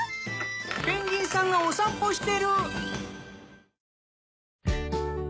ペンギンさんがお散歩してる！